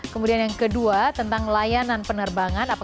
kemudian yang kedua tentang layanan penerbangan